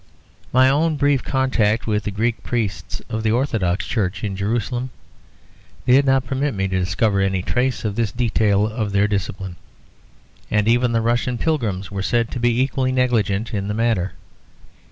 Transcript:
My own brief contact with the Greek priests of the Orthodox Church in Jerusalem did not permit me to discover any trace of this detail of their discipline; and even the Russian pilgrims were said to be equally negligent in the matter.